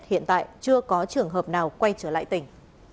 hiện tại chưa có trường hợp nào quay trở lại tỉnh